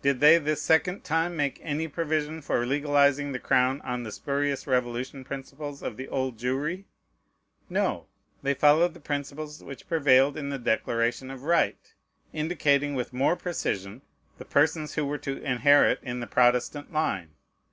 Did they this second time make any provision for legalizing the crown on the spurious Revolution principles of the Old Jewry? No. They followed the principles which prevailed in the Declaration of Right; indicating with more precision the persons who were to inherit in the Protestant line.